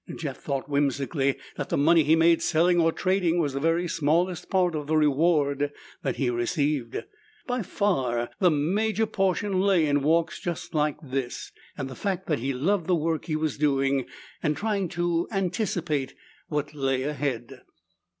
Jeff thought whimsically that the money he made selling or trading was the very smallest part of the reward he received. By far the major portion lay in walks just like this, in the fact that he loved the work he was doing, and in trying to anticipate what lay ahead.